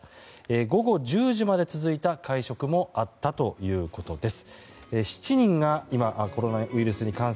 午後１０時まで続いた会食もあったということです。